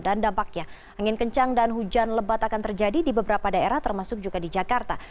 dan dampaknya angin kencang dan hujan lebat akan terjadi di beberapa daerah termasuk juga di jakarta